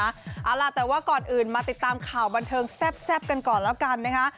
เอาล่ะแต่ว่าก่อนอื่นมาติดตามข่าวบันเทิงแซ่บกันก่อนแล้วกันนะคะ